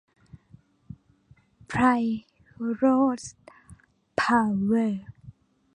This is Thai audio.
ไพร์ม โรด เพาเวอร์